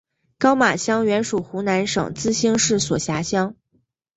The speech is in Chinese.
高码乡原属湖南省资兴市所辖乡。